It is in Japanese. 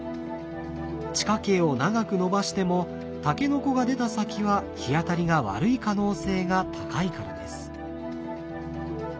地下茎を長く伸ばしてもタケノコが出た先は日当たりが悪い可能性が高いからです。